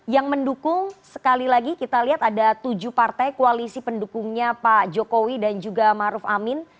yang mendukung sekali lagi kita lihat ada tujuh partai koalisi pendukungnya pak jokowi dan juga maruf amin